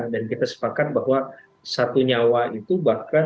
dan kita sepakat bahwa satu nyawa itu bahkan tidak terdapat